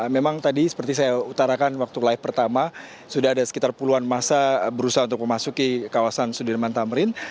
memang tadi seperti saya utarakan waktu live pertama sudah ada sekitar puluhan masa berusaha untuk memasuki kawasan sudirman tamrin